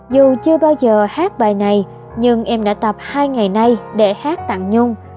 dù chưa bao giờ hát bài này nhưng em đã tập hai ngày nay để hát tặng nhung